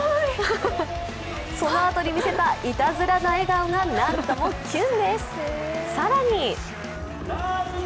そのあとに見せたいたずらな笑顔が、なんともキュンです。